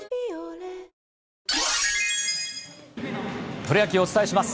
プロ野球、お伝えします。